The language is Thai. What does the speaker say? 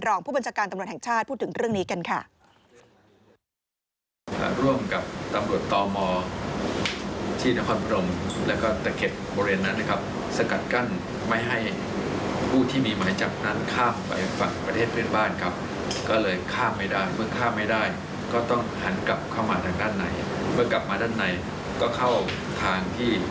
รองผู้บัญชาการตำรวจแห่งชาติพูดถึงเรื่องนี้กันค่ะ